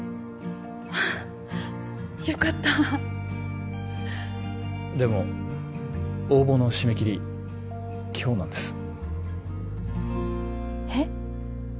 よかったでも応募の締め切り今日なんですえっ？